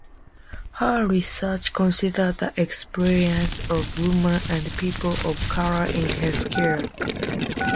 Her research considers the experiences of women and people of color in healthcare.